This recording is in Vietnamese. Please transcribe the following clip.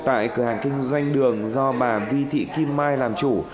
tại cửa hàng kinh doanh đường do bà vi thị kim mai làm chủ